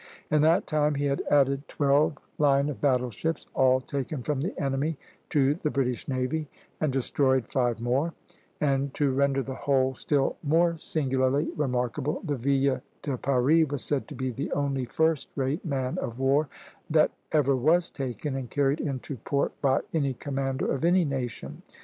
"In that time he had added twelve line of battle ships, all taken from the enemy, to the British navy, and destroyed five more; and to render the whole still more singularly remarkable, the 'Ville de Paris' was said to be the only first rate man of war that ever was taken and carried into port by any commander of any nation."